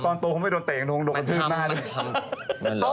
ตอนตัวมันไม่โดนเตะอย่างโถงโดนกระทืบหน้าเนี่ย